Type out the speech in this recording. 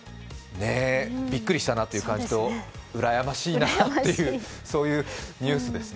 びっくりしたなという感想と、うらやましいなというそういうニュースですね。